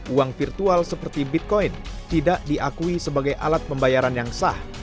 uang virtual seperti bitcoin tidak diakui sebagai alat pembayaran yang sah